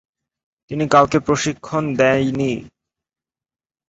তিনি কাউকে প্রশিক্ষণ দেয়নি।